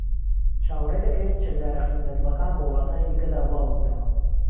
چاوەڕێدەکرێت چەکدارە قین لە دڵەکان بە وڵاتانی دیکەدا بڵاوببنەوە